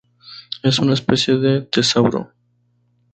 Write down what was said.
Es una especie de tesauro.